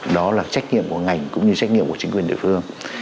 đó là trách nhiệm của ngành cũng như trách nhiệm của chính quyền địa phương